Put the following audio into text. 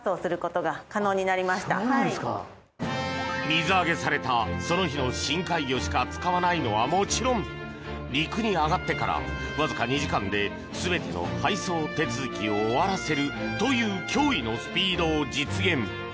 水揚げされたその日の深海魚しか使わないのはもちろん陸に揚がってからわずか２時間で全ての配送手続きを終わらせるという驚異のスピードを実現。